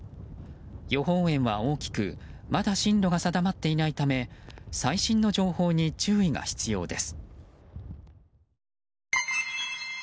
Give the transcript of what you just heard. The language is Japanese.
予報円は大きくまだ進路が定まっていないため最新の情報に注意が必要です。